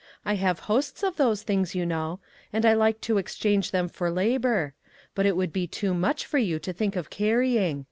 I have hosts of those things, you know, and I like to exchange them for labor ; but it would be too much for you to think of carrying.